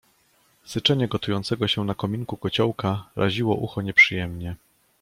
"Syczenie gotującego się na kominku kociołka raziło ucho nieprzyjemnie."